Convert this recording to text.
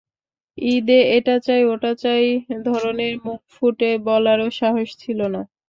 ঈদে এটা চাই, ওটা চাই ধরনের মুখ ফুটে বলারও সাহস ছিল না।